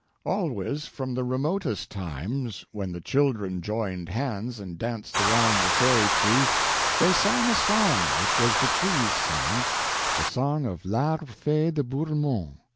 Always, from the remotest times, when the children joined hands and danced around the Fairy Tree they sang a song which was the Tree's song, the song of L'Arbre fee de Bourlemont.